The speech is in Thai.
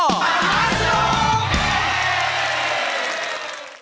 อบจ้อ